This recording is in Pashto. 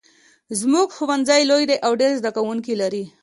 زمونږ ښوونځی لوی ده او ډېر زده کوونکي لري